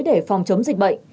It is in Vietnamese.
để phòng chống dịch bệnh